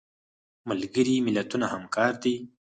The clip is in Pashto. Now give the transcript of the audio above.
ملګري ملتونه همکار دي